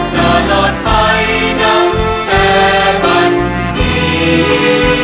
ตลอดไปนั้นแต่วันนี้